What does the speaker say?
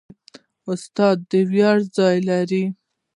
استاد د ویاړ ځای لري.